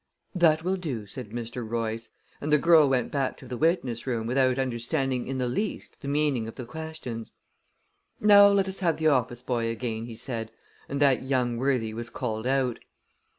"That will do," said Mr. Royce, and the girl went back to the witness room without understanding in the least the meaning of the questions. "Now, let us have the office boy again," he said, and that young worthy was called out.